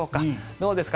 どうですか？